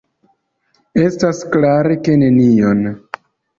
Estas klare, ke nenion!